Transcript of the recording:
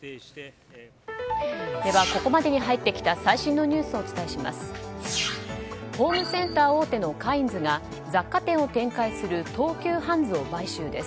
では、ここまでに入ってきた最新のニュースをお伝えします。